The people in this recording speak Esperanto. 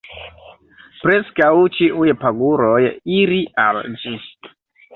Preskaŭ ĉiuj paguroj iri al ĝi.